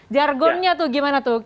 jargonnya tuh gimana tuh